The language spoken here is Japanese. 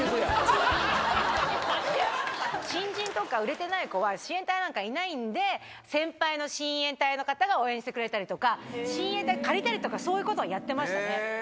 新人とか売れてない子は、親衛隊なんかいないんで、先輩の親衛隊の方が応援してくれたりとか、親衛隊借りたりとか、そういうことをやってましたね。